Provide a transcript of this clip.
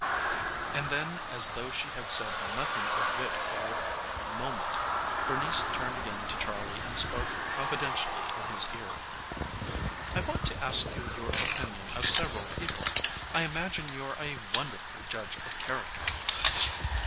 And then as though she had said nothing of wit or moment Bernice turned again to Charley and spoke confidentially in his ear. "I want to ask you your opinion of several people. I imagine you're a wonderful judge of character."